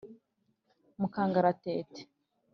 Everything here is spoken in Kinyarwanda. mu kangaratete